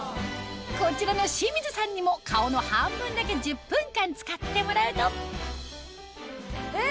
こちらの清水さんにも顔の半分だけ１０分間使ってもらうとえっ！